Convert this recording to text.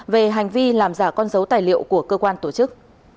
về hành vi làm giả con dấu tài liệu của cơ quan tổ chức